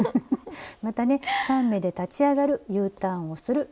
またね３目で立ち上がるＵターンをする。